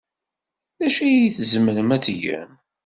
D acu ay tzemrem ad tgem?